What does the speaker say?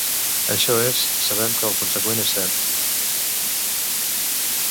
Això és, sabem que el conseqüent és cert.